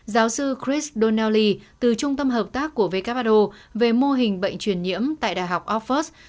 giáo sư chris donnelly từ trung tâm hợp tác của vkpado về mô hình bệnh truyền nhiễm tại đh office